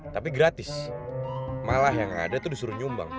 tapi gratis malah yang ada itu disuruh nyumbang